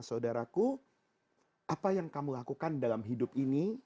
saudaraku apa yang kamu lakukan dalam hidup ini